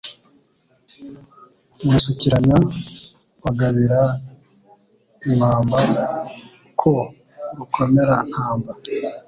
Musukiranya wagabira i Mamba Ko Rukomera-ntamba